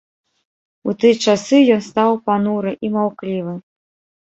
У тыя часы ён стаў пануры і маўклівы.